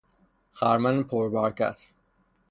خرمن پر برکت